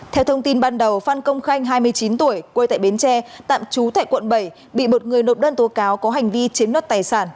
theo thông tin ban đầu phan công khanh hai mươi chín tuổi quê tại bến tre tạm trú tại quận bảy bị một người nộp đơn tố cáo có hành vi chiếm đoạt tài sản